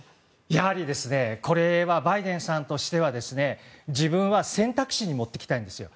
やはり、これはバイデンさんとしては自分は選択肢に持っていきたいんですよ。